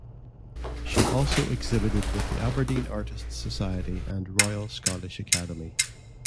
She also exhibited with the Aberdeen Artists Society and the Royal Scottish Academy.